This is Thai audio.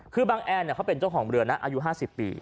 คือบางแอนเขาเป็นเจ้าของเรือนะอายุ๕๐ปี